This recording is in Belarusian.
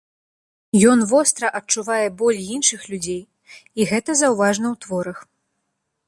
Ён востра адчувае боль іншых людзей, і гэта заўважна ў творах.